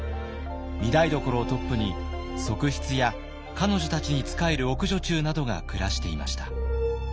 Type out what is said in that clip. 御台所をトップに側室や彼女たちに仕える奥女中などが暮らしていました。